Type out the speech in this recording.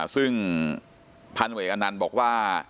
ซึ่งพันธมตใกล้กับนั่นบอกว่า